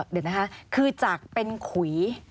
เดี๋ยวนะคะคือจากเป็นขุย